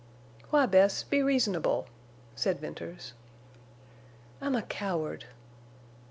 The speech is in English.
"Why, Bess, be reasonable!" said Venters. "I'm a coward."